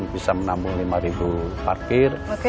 bisa menampung lima parkir